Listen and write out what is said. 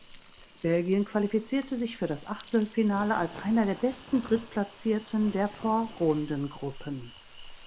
Belgien qualifizierte sich für das Achtelfinale als einer der besten Drittplatzierten der Vorrundengruppen.